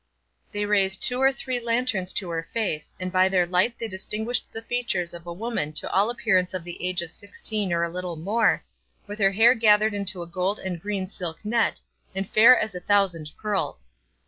They raised two or three lanterns to her face, and by their light they distinguished the features of a woman to all appearance of the age of sixteen or a little more, with her hair gathered into a gold and green silk net, and fair as a thousand pearls.